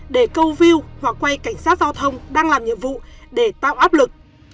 để câu view hoặc quay cảnh sát giao thông đang làm nhiệm vụ để tạo áp lực